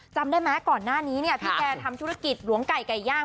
จำได้ไหมก่อนหน้านี้เนี่ยพี่แกทำธุรกิจหลวงไก่ไก่ย่าง